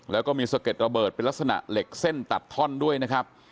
แล้วก็มีสะเด็ดระเบิดเป็นลักษณะเหล็กเส้นตัดท่อนด้วยนะครับ